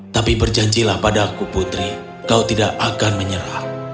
tapi berjanjilah padaku putri kau tidak akan menyerah